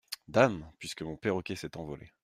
Dame ! puisque mon perroquet s’est envolé.